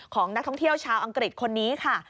ของนักท่องเที่ยวชาวอังกฤษคนนี้ค่ะ